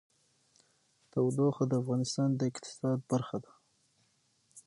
تودوخه د افغانستان د اقتصاد برخه ده.